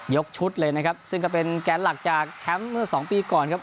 ชุดเลยนะครับซึ่งก็เป็นแกนหลักจากแชมป์เมื่อสองปีก่อนครับ